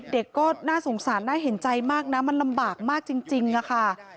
เด็กก็น่าสงสารน่าเห็นใจมากนะมันลำบากมากจริงค่ะ